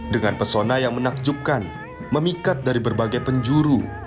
dengan pesona yang menakjubkan memikat dari berbagai penjuru